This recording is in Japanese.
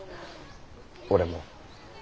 俺も。